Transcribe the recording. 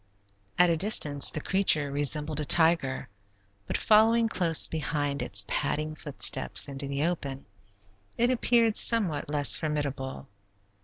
At a distance the creature resembled a tiger, but following close behind its padding footsteps into the open, it appeared somewhat less formidable.